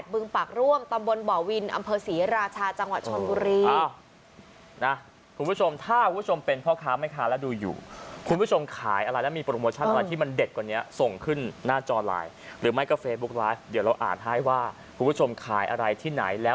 บึงปากร่วมตำบลบ่อวินอำเภอศรีราชาจังหวัดชนบุรี